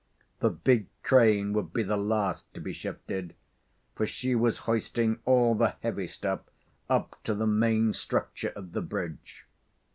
The big crane would be the last to be shifted, for she was hoisting all the heavy stuff up to the main structure of the bridge.